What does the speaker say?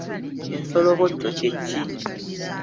Ensolobotto kye ki?